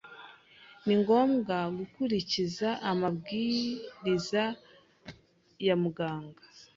ni ngombwa gukurikiza amabwiriza ya muganga